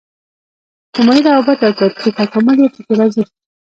اجتماعي روابط او تاریخي تکامل یې په کې راځي.